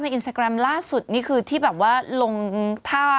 มันไม่ใช่ไง